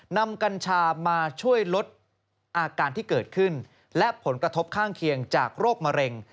กัญชามาช่วยลดอาการที่เกิดขึ้นและผลกระทบข้างเคียงจากโรคมะเร็ง